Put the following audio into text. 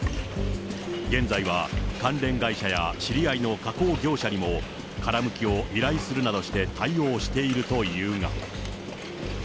現在は関連会社や知り合いの加工業者にも、殻むきを依頼するなどして対応しているというが。